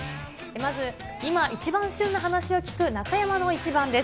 まず今一番旬な話を聞く中山のイチバンです。